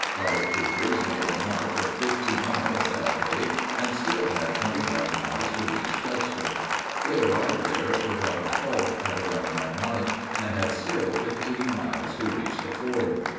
Our troopers made a march of fifty miles that day and still had twenty five miles to reach Chester. They arrived there without a halt at eleven at night, and had still fifteen miles to reach the ford.